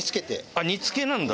あっ煮付けなんだ。